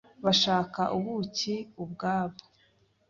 Bashaka ubuki ubwabo